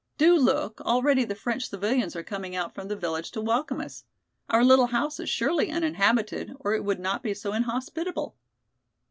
Do look, already the French civilians are coming out from the village to welcome us. Our little house is surely uninhabited or it would not be so inhospitable."